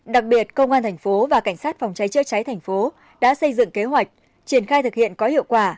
đặc biệt công an thành phố và cảnh sát phòng cháy chữa cháy thành phố đã xây dựng kế hoạch triển khai thực hiện có hiệu quả